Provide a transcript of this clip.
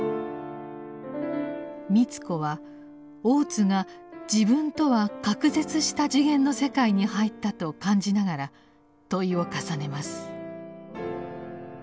美津子は大津が自分とは「隔絶した次元の世界に入った」と感じながら問いを重ねます。